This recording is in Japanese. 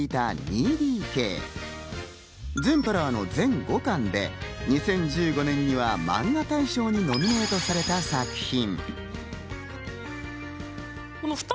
全編オールカラーの全５巻で、２０１５年にはマンガ大賞にノミネートされた作品。